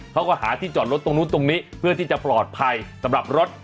เขาก็หาที่จอดรถตรงนู้นตรงนี้เพื่อที่จะปลอดภัยสำหรับรถ